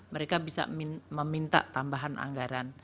mereka bisa meminta tambahan anggaran